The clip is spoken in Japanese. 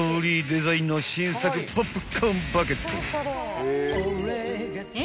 デザインの新作ポップコーンバケット］